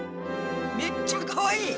めっちゃかわいい！